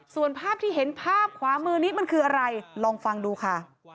ส่วนภาพที่เห็นภาพขวามือนี้มันคืออะไรลองฟังดูค่ะ